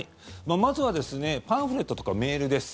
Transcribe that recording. まずはですねパンフレットとかメールです。